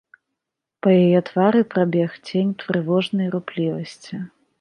Па яе твары прабег цень трывожнай руплівасці.